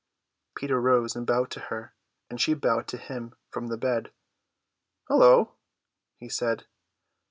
Peter rose and bowed to her, and she bowed to him from the bed. "Hullo," he said.